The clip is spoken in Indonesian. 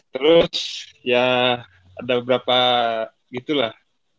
terus ya ada beberapa gitu lah